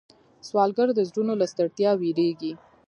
سوالګر د زړونو له ستړیا ویریږي